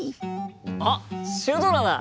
あっシュドラだ！